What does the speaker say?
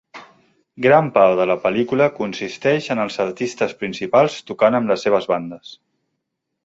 Gran part de la pel·lícula consisteix en els artistes principals tocant amb les seves bandes.